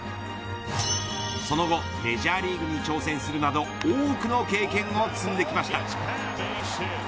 その後メジャーリーグに挑戦するなど多くの経験を積んできました。